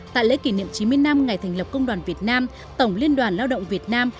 tại lễ kỷ niệm chín mươi năm ngày thành lập công đoàn việt nam tổng liên đoàn lao động việt nam